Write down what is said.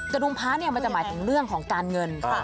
ดุงพระเนี่ยมันจะหมายถึงเรื่องของการเงิน